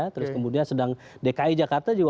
terus kemudian sedang dki jakarta juga